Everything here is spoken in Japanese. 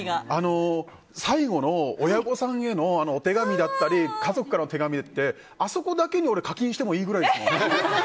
最後の親御さんへのお手紙だったり家族からの手紙って俺、あそこだけに課金してもいいくらいですもん。